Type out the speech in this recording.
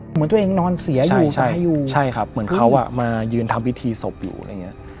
เหมือนตัวเองนอนเสียอยู่ใช่อยู่ใช่ครับเหมือนเขาอ่ะมายืนทำพิธีศพอยู่อะไรอย่างเงี้ย